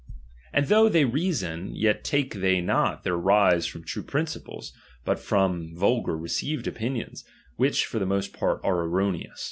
And though ^Viey reason, yet take they not their rise from true t*Tinciples, but from vulgar received opinions, ■vvhich for the most part are erroneous.